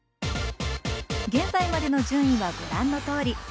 現在までの順位はご覧のとおり。